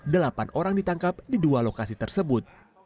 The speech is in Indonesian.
delapan orang ditangkap di dua lokasi tersebut